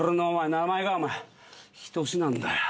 名前がヒトシなんだよ！